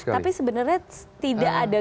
tapi sebenarnya tidak ada